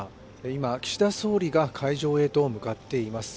今、岸田総理が会場へと向かっています。